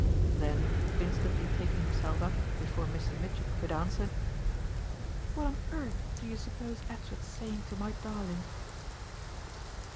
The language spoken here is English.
Then instantly taking herself up before Mr. Mitchett could answer: "What on earth do you suppose Edward's saying to my darling?"